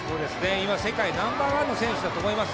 今世界ナンバーワンの選手だと思います。